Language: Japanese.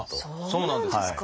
そうなんですか！